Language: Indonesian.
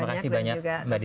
terima kasih banyak mbak di